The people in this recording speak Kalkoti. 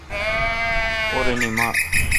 اورنی معاف۔